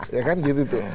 ya kan gitu gitu